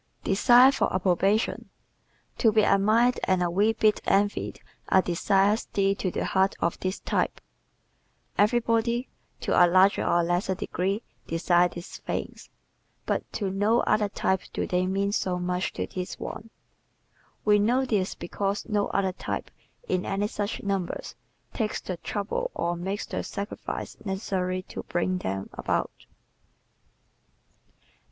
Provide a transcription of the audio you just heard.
Desire for Approbation ¶ To be admired and a wee bit envied are desires dear to the heart of this type. Everybody, to a greater or lesser degree, desires these things, but to no other type do they mean so much as to this one. We know this because no other type, in any such numbers, takes the trouble or makes the sacrifices necessary to bring them about.